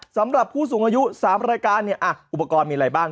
สำหรับผู้สูงอายุ๓รายการเนี่ยอุปกรณ์มีอะไรบ้าง